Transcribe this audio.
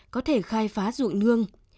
có thể khai phá ruộng nương